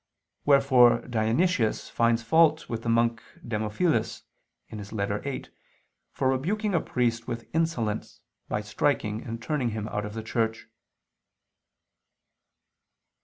Wherefore Dionysius finds fault with the monk Demophilus (Ep. viii), for rebuking a priest with insolence, by striking and turning him out of the church.